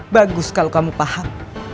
bagus kalau kamu paham